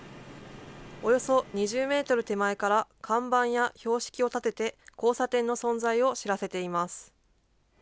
およそ２０メートル手前から、看板や標識を建てて、交差点の存在を知らせています。